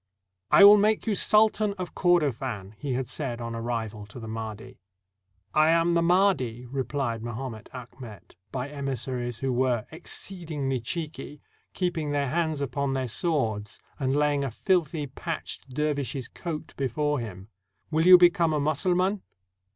" I will make you Sultan of Kordofan," he had said on arrival to the Mahdi. 242 THE DEATH OF GENERAL GORDON "I am the Mahdi," replied Mahomet Achmet, by emissaries who were "exceedingly cheeky," keeping their hands upon their swords, and laying a filthy, patched dervish's coat before him. "Will you become a Mussulman?"